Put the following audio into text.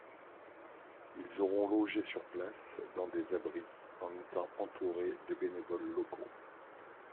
Ils auront logé sur place, dans des abris, en étant entourés de bénévoles locaux.